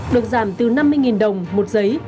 được giảm từ năm mươi đồng một giấy